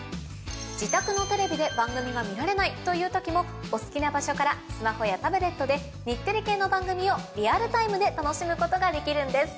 自宅のテレビで番組が見られないという時もお好きな場所からスマホやタブレットで日テレ系の番組をリアルタイムで楽しむことができるんです。